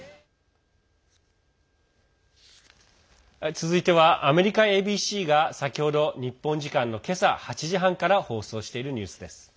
続いては、アメリカＡＢＣが先ほど日本時間の今朝８時半から放送しているニュースです。